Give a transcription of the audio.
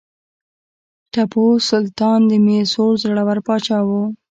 ټیپو سلطان د میسور زړور پاچا و.